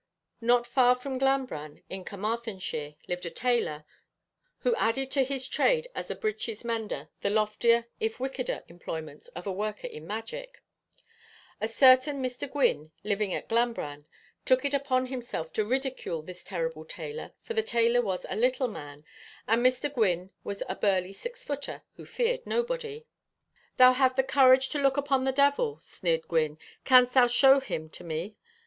Not far from Glanbran, in Carmarthenshire, lived a tailor, who added to his trade as a breeches mender the loftier, if wickeder, employments of a worker in magic. A certain Mr. Gwynne, living at Glanbran, took it upon himself to ridicule this terrible tailor, for the tailor was a little man, and Mr. Gwynne was a burly six footer, who feared nobody. 'Thou have the courage to look upon the devil!' sneered Gwynne; 'canst thou show him to me?'